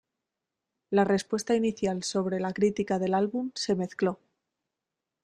La respuesta inicial sobre la crítica del álbum se mezcló.